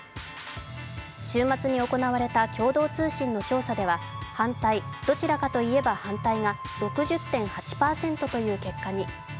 週末に行われた共同通信の調査では「反対」、「どちらかといえば反対」が６０．８％という結果に。